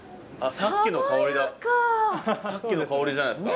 さっきの香りじゃないですか？